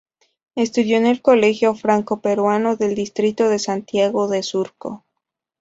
Estudió en el Colegio Franco Peruano del Distrito de Santiago de Surco.